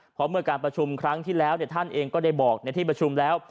เพราะเมื่อการประชุมครั้งที่แล้วท่านเองก็ได้บอกในที่ประชุมแล้ว